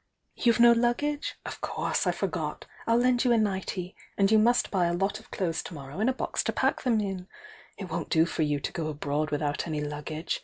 You've no luggage? Of course, I forgot!— I'll lend you a nightie!— and you must buy a lot of clothes to morrow and a box to pack tiiem in. It won't do for you to go abroad without any luggage.